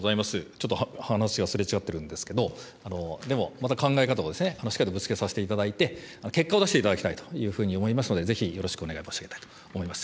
ちょっと話がすれ違ってるんですけど、でも、また考え方もしっかりとぶつけさせていただいて、結果を出していただきたいというふうに思いますので、ぜひよろしくお願い申し上げたいと思います。